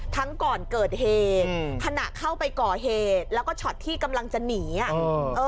ก่อนเกิดเหตุขณะเข้าไปก่อเหตุแล้วก็ช็อตที่กำลังจะหนีอ่ะ